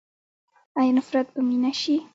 آیا نفرت به مینه شي؟